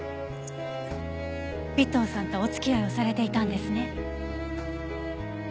尾藤さんとお付き合いをされていたんですね？